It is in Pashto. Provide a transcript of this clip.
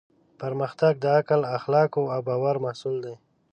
پرمختګ د عقل، اخلاقو او باور محصول دی.